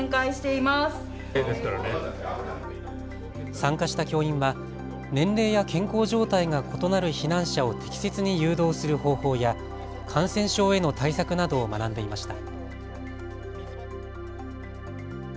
参加した教員は年齢や健康状態が異なる避難者を適切に誘導する方法や感染症への対策などを学んでいました。